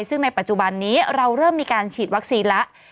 ซึ่งในปัจจุบันนี้เราเริ่มมีการฉีดวัคซีนแล้ว